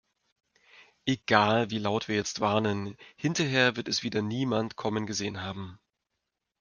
Egal wie laut wir jetzt warnen, hinterher wird es wieder niemand kommen gesehen haben.